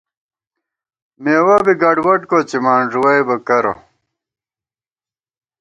مېوَہ بی گڈوڈ کوڅِمان ݫُوَئیبہ کرہ